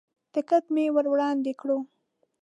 ټکټ مې ور وړاندې کړو.